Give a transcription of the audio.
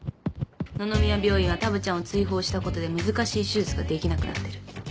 野々宮病院はタブちゃんを追放したことで難しい手術ができなくなってる。